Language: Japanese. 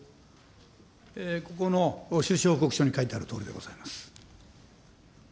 ここの収支報告書に書いてあるとおりでございます。